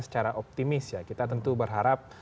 secara optimis ya kita tentu berharap